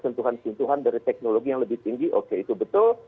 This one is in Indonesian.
jadi kita bisa mengajukan dari teknologi yang lebih tinggi oke itu betul